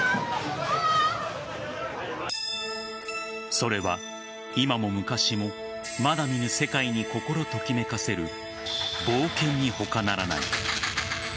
それは今も昔もまだ見ぬ世界に心ときめかせる冒険に他ならない。